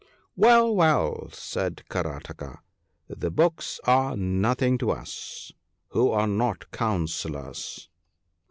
* Well, well !' said Karataka ;' the books are nothing to us, who are not councillors.'